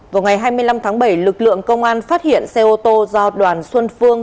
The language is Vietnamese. vào ngày hai mươi năm tháng bảy lực lượng công an phát hiện xe ô tô do đoàn xuân phương